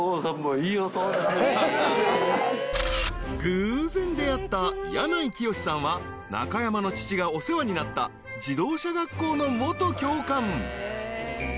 ［偶然出会った矢内清さんは中山の父がお世話になった自動車学校の元教官］